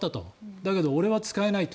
だけど、俺は使えないと。